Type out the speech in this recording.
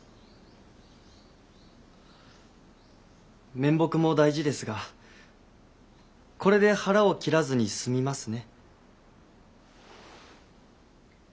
面目も大事ですがこれで腹を切らずに済みますね。